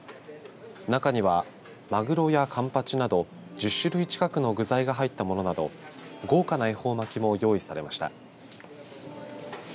中にはマグロやカンパチなど１０種類近くの具材が入ったものなど豪華な恵方巻きも用意されました。